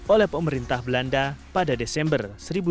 oleh pemerintah belanda pada desember seribu sembilan ratus empat puluh